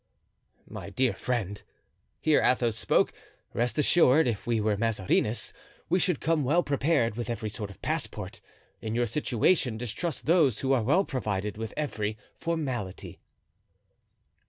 "My dear friend," here Athos spoke, "rest assured, if we were Mazarinists we should come well prepared with every sort of passport. In your situation distrust those who are well provided with every formality."